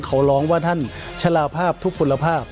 เขาร้องว่าท่านชะลาภาพทุกคนภาพ